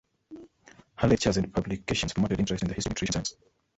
Her lectures and publications promoted interest in the history of nutrition science.